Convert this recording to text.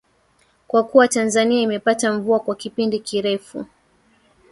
Kwa kuwa Tanzania imepata mvua kwa kipindi kirefu